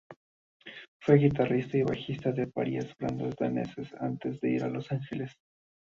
Fue guitarrista y bajista de varias bandas danesas antes de ir para Los Ángeles.